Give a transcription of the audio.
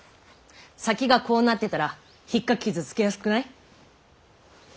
先がこうなってたらひっかき傷つけやすくない？